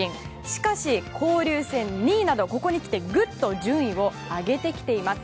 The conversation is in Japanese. しかし、交流戦２位などここへきてぐっと順位を上げてきています。